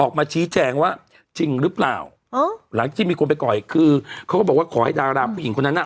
ออกมาชี้แจงว่าจริงหรือเปล่าเออหลังจากที่มีคนไปก่อยคือเขาก็บอกว่าขอให้ดาราผู้หญิงคนนั้นน่ะ